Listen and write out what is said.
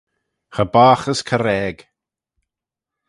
Cha boght as carage